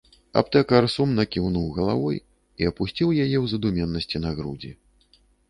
Аптэкар сумна кіўнуў галавой і апусціў яе ў задуменнасці на грудзі!